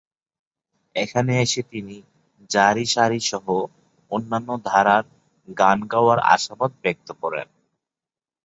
এখানে এসে তিনি জারি-সারিসহ অন্যান্য ধারার গান গাওয়ার আশাবাদ ব্যক্ত করেন।